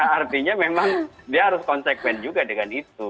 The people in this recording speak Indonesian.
artinya memang dia harus konsekuensi juga dengan itu